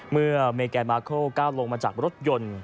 เมื่อเมแกนมาโคลก้าวลงมาจากรถยนต์